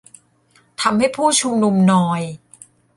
ทำให้ผู้ชุมนุมนอย